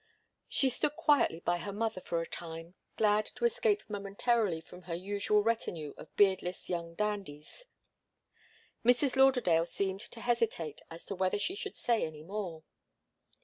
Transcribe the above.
She stood quietly by her mother for a time, glad to escape momentarily from her usual retinue of beardless young dandies. Mrs. Lauderdale still seemed to hesitate as to whether she should say any more.